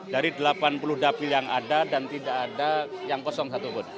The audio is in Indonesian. dari delapan puluh dapil yang ada dan tidak ada yang kosong satu pun